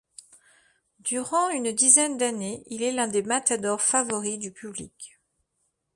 Durant une dizaine d'années, il est l'un des matadors favoris du public.